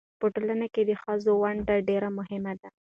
په ټولنه کې د ښځو ونډه ډېره مهمه ده.